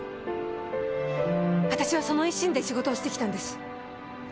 私はその一心で仕事をしてきたんです。